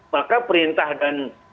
maka perintah dan